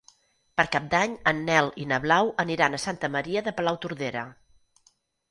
Per Cap d'Any en Nel i na Blau aniran a Santa Maria de Palautordera.